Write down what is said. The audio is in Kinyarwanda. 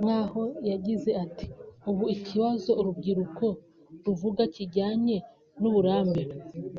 nk’aho yagize ati “Ubu ikibazo urubyiruko ruvuga kijyanye n’uburambe